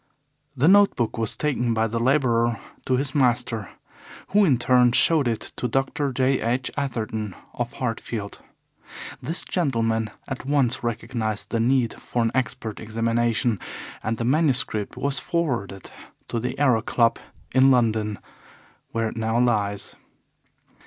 The note book was taken by the labourer to his master, who in turn showed it to Dr. J. H. Atherton, of Hartfield. This gentleman at once recognized the need for an expert examination, and the manuscript was forwarded to the Aero Club in London, where it now lies.